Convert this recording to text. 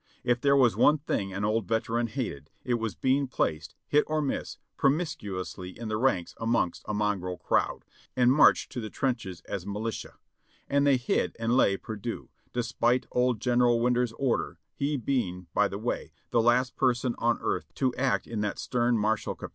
If there was one thing an old veteran hated, it was being placed, hit or miss, promiscuously in the ranks amongst a mon grel crowd, and marched to the trenches as militia, and they hid and lay perdu, despite old General Winder's order, he being, by the way, the last person on earth to act in that stern martial ca THE soldiers' home.